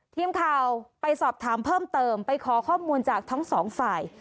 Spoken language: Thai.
ทีมข่าวไปสอบถามเพิ่มเติมไปขอข้อมูลจากทั้งสองฝ่าย